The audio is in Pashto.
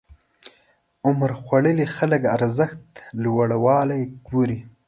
عمرخوړلي خلک ارزښت لوړوالی ګوري.